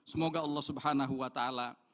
semoga allah subhanahu wa ta'ala